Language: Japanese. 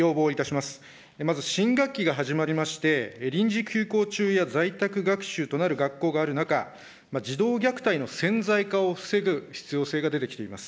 まず新学期が始まりまして、臨時休校中や、在宅学習となる学校がある中、児童虐待の潜在化を防ぐ必要性が出てきています。